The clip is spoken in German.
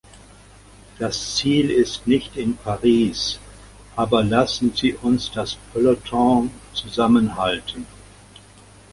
Das Ziel ist nicht in Paris, aber lassen Sie uns das Peleton zusammenhalten.